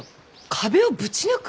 壁をぶち抜く？